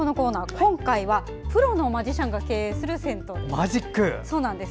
今回は、プロのマジシャンが経営する銭湯です。